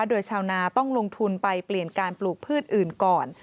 โดยชาวนาต้องลงทุนไปเปลี่ยนการปลูกพืชอื่นก่อน